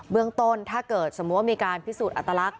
เรื่องต้นถ้าเกิดสมมุติว่ามีการพิสูจนอัตลักษณ